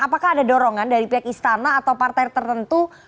apakah ada dorongan dari pihak istana atau partai tertentu